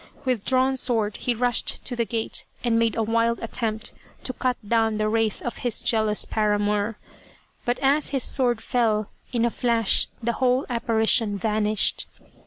With drawn sword he rushed to the gate and made a wild attempt to cut down the wraith of his jealous para mour but as his sword fell, in a flash the whole apparition vanished.